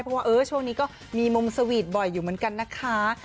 เพราะว่าช่วงนี้ก็มีมุมสวีทบ่อยอยู่เหมือนกันนะคะ